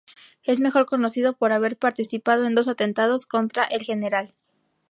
Es mejor conocido por haber participado en dos atentados contra el Gral.